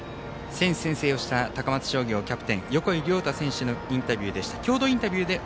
選手宣誓をした高松商業、キャプテン横井亮太選手のインタビューでした。